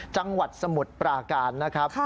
จังหวัดสมุทรปราการนะครับ